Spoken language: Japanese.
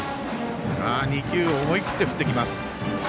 ２球思い切って振ってきます。